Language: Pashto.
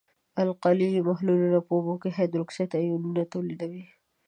القلي محلولونه په اوبو کې هایدروکساید آیونونه تولیدوي.